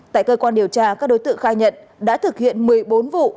tại cơ quan điều tra các đối tượng khai nhận đã thực hiện một mươi bốn vụ